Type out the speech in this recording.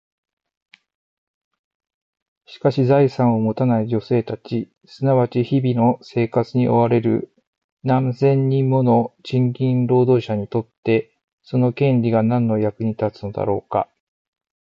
しかし、財産を持たない女性たち、すなわち日々の生活に追われる何千人もの賃金労働者にとって、その権利が何の役に立つのだろうか？